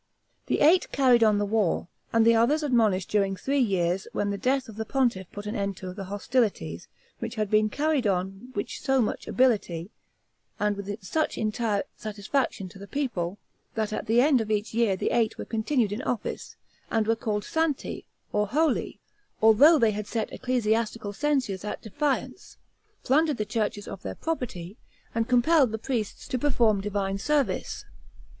The eight carried on the war, and the others admonished during three years, when the death of the pontiff put an end to the hostilities, which had been carried on which so much ability, and with such entire satisfaction to the people, that at the end of each year the eight were continued in office, and were called Santi, or holy, although they had set ecclesiastical censures at defiance, plundered the churches of their property, and compelled the priests to perform divine service.